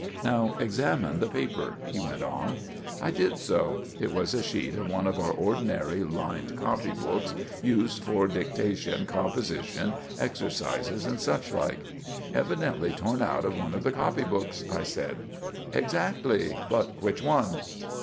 "Now, examine the paper," he went on. I did so. It was a sheet of one of our ordinary, lined copybooks, used for dictation, composition, exercises, and such like. "Evidently torn out of one of the copybooks," I said. "Exactly; but which one?"